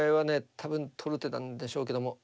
多分取る手なんでしょうけども。